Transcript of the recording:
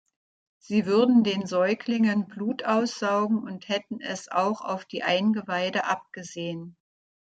Sie würden den Säuglingen Blut aussaugen und hätten es auch auf die Eingeweide abgesehen.